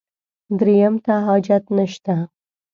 درېیم ته حاجت نشته.